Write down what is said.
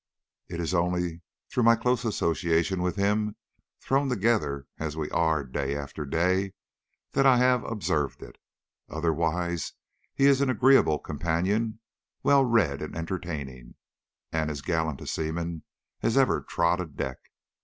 It is only through my close association with him, thrown together as we are day after day, that I have observed it. Otherwise he is an agreeable companion, well read and entertaining, and as gallant a seaman as ever trod a deck.